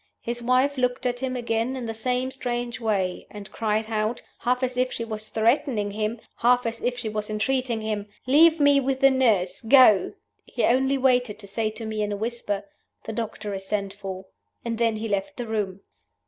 His wife looked at him again in the same strange way, and cried out half as if she was threatening him, half as if she was entreating him 'Leave me with the nurse. Go!' He only waited to say to me in a whisper, 'The doctor is sent for,' and then he left the room.